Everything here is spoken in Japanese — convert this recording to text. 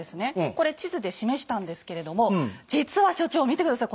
これ地図で示したんですけれども実は所長見て下さい。